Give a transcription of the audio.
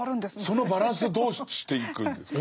そのバランスはどうしていくんですか？